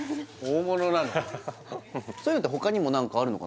大物なの？